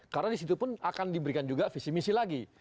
karena disitu pun akan diberikan juga visi misi lagi